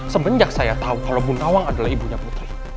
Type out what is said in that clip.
semenjak saya tahu kalau bu nawang adalah ibunya putri